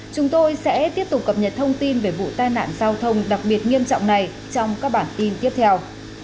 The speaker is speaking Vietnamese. chúng tôi sẽ tiếp tục cập nhật thông tin về vụ tai nạn giao thông đặc biệt nghiêm trọng này trong các bản tin tiếp theo